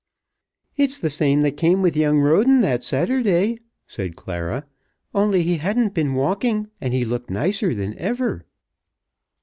"It's the same that came with young Roden that Saturday," said Clara; "only he hadn't been walking, and he looked nicer than ever."